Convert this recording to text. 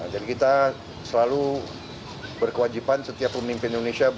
jadi kita selalu berkewajiban setiap pemimpin indonesia